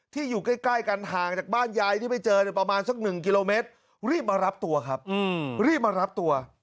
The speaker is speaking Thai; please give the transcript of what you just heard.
อยู่ใกล้กันห่างจากบ้านยายที่ไปเจอประมาณสัก๑กิโลเมตรรีบมารับตัวครับรีบมารับตัว